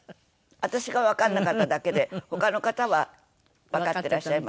私がわかんなかっただけで他の方はわかっていらっしゃいました。